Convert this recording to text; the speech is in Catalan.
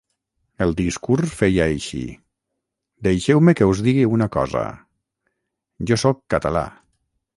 El discurs feia així: Deixeu-me que us digui una cosa… jo sóc català.